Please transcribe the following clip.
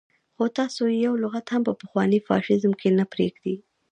خو تاسو يې يو لغت هم په پخواني فاشيزم کې نه پرېږدئ.